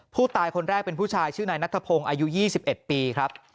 ผู้ตายคนแรกเป็นผู้ชายชื่อนายนัทพงศ์อายุ๒๑ปีครับ